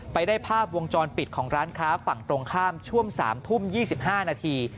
ไปได้ภาพวงจรปิดของร้านค้าฝั่งตรงข้ามช่วง๓ทุ่ม๒๕นาที